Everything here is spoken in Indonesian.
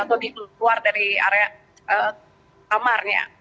jadi kami bisa turun di luar dari area kamarnya